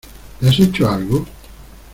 ¿ le has hecho algo?